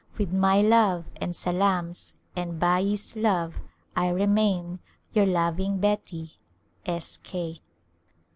With my love and salams, and Bai's love. I remain, Your loving Beti, S. K.